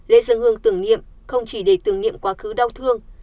lễ dân hương tưởng nhiệm không chỉ để tưởng nhiệm quá khứ đau thương